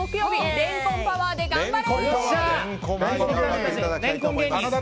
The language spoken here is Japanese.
レンコンパワーで頑張れ！